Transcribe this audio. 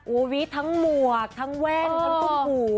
โอ้ววิทย์ทั้งหมวกทั้งแว่งทั้งกุ้งหู